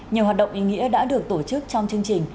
nhiều hoạt động ý nghĩa đã được tổ chức trong chương trình